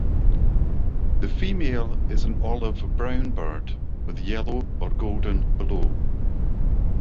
The female is an olive brown bird with yellow or golden below.